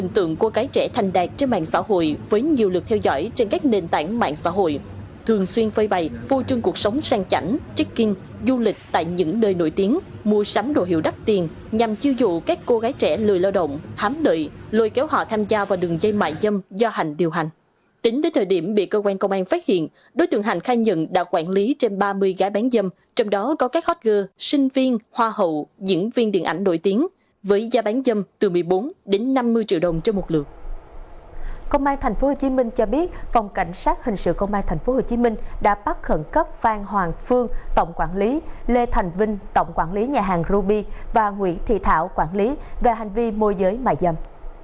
công an tp hcm cho biết phòng cảnh sát hình sự công an tp hcm đã bắt khẩn cấp phan hoàng phương tổng quản lý lê thành vinh tổng quản lý nhà hàng ruby và nguyễn thị thảo quản lý về hành vi môi giới mài dâm